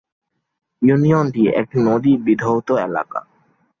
ইউনিয়নটি একটি নদী বিধৌত এলাকা।